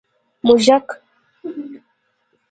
🐁 موږک